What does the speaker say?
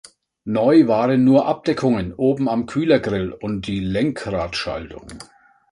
Neu waren nur Abdeckungen oben am Kühlergrill und die Lenkradschaltung.